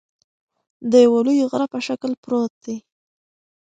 د یوه لوی غره په شکل پروت دى